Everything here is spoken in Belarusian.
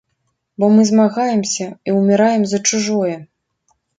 Бо мы змагаемся і ўміраем за чужое.